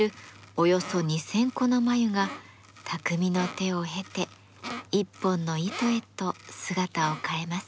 およそ２，０００個の繭が匠の手を経て一本の糸へと姿を変えます。